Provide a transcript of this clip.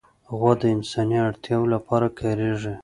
غوا د انساني اړتیاوو لپاره کارېږي.